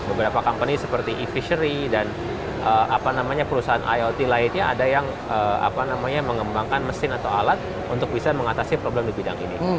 beberapa company seperti e fishery dan perusahaan iot lainnya ada yang mengembangkan mesin atau alat untuk bisa mengatasi problem di bidang ini